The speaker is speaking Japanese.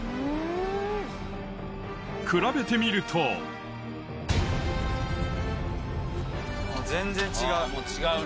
比べてみると全然違う。